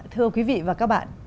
thưa quý vị và các bạn